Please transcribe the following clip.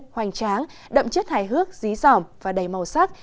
hoành tráng đậm chất hài hước dí dỏm và đầy màu sắc